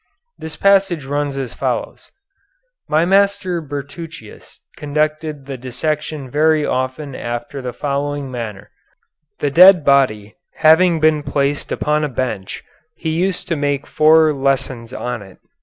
This passage runs as follows: 'My master Bertruccius conducted the dissection very often after the following manner: the dead body having been placed upon a bench, he used to make four lessons on it.